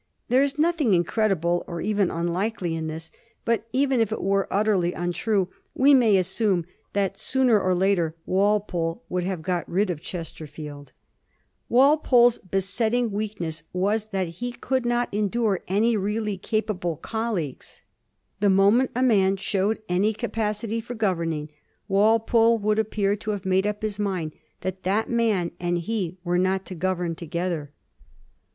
There is nothing incredible or even unlikely in this; but even if it were utterly untrue, we may assume that soon* er or later Walpole would have got rid of Chesterfield. 1733. WALPOLE^S ANIMOSITY. 9 Walpple's besetting weakness was that he could not en dure any really capable colleague. The moment a man showed any capacity for governing, Walpole would ap pear to have made up his mind that that man and he were not to govern together.